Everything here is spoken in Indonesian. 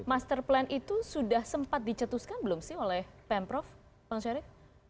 master plan itu sudah sempat dicetuskan belum sih oleh pemprov bang syarif